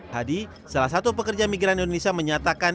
hadi salah satu pekerja migran indonesia menyatakan